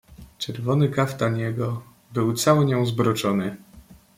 "Czerwony kaftan jego był cały nią zbroczony."